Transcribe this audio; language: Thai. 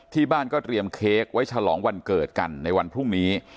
ที่บ้านก็เตรียมเค้กไว้ฉลองวันเกิดกันในวันพรุ่งนี้